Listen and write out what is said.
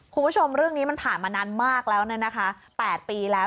คุณผู้ชมเรื่องนี้มันผ่านมานานมากแล้วนะคะ๘ปีแล้ว